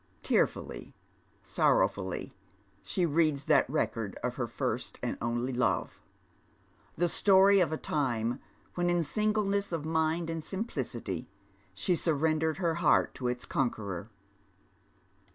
Love, tJien, had Twpe of Richer Stort. 73 Tearfnily, sorrowfully, she reads that record of her first and only love, the story of a time when in singleness of mind and eimplicity she surrendered her heart to its conqueror.